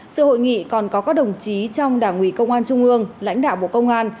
sự hội nghị còn có các đồng chí trong đảng ủy công an trung ương lãnh đạo bộ công an